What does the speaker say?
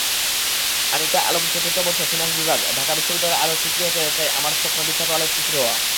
আনিকা আলমচতুর্থ বর্ষ, ফিন্যান্স বিভাগ, ঢাকা বিশ্ববিদ্যালয়আলোকচিত্রী হতে চাইআমার স্বপ্ন বিখ্যাত আলোকচিত্রী হওয়া।